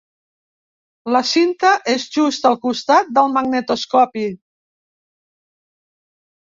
La cinta és just al costat del magnetoscopi.